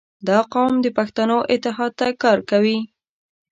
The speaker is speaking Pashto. • دا قوم د پښتنو اتحاد ته کار کوي.